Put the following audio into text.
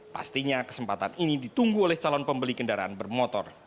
pastinya kesempatan ini ditunggu oleh calon pembeli kendaraan bermotor